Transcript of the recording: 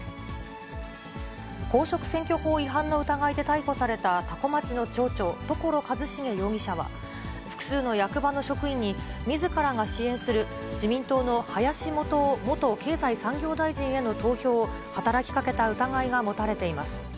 公職選挙法違反の疑いで逮捕された、多古町の町長、所一重容疑者は、複数の役場の職員に、みずからが支援する自民党の林幹雄元経済産業大臣への投票を働きかけた疑いが持たれています。